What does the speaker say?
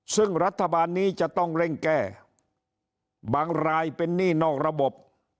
ซึ่งรัฐบาลนี้จะต้องเร่งแก้บางรายเป็นหนี้นอกระบบ